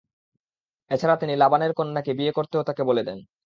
এ ছাড়া তিনি লাবানের কন্যাকে বিয়ে করতেও তাকে বলে দেন।